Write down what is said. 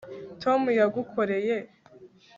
tom yagukoreye